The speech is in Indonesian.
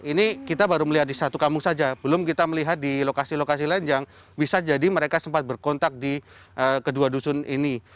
ini kita baru melihat di satu kampung saja belum kita melihat di lokasi lokasi lain yang bisa jadi mereka sempat berkontak di kedua dusun ini